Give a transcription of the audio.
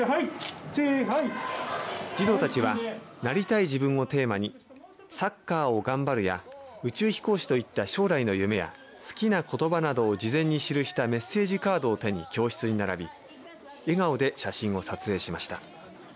児童たちはなりたい自分をテーマにサッカーをがんばるや宇宙飛行士といった将来の夢や好きなことばなどを事前に記したメッセージカードを手に教室に並び笑顔で写真を撮影しました。